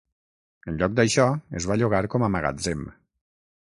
En lloc d'això, es va llogar com a magatzem.